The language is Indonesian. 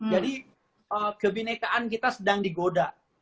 jadi kebenekaan kita sedang digoda